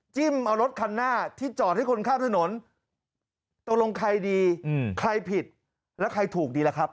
จิ้มเอารถคันหน้าที่จอดให้คนข้ามถนนตกลงใครดีใครผิดแล้วใครถูกดีล่ะครับ